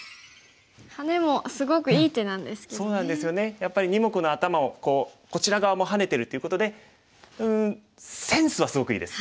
やっぱり２目のアタマをこちら側もハネてるっていうことでうんセンスはすごくいいです。